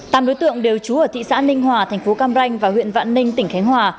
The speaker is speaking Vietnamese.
tám đối tượng đều trú ở thị xã ninh hòa thành phố cam ranh và huyện vạn ninh tỉnh khánh hòa